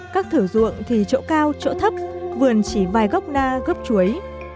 các thử dụng thì chỗ cao chỗ thấp vườn chỉ vài gốc na gốc chuối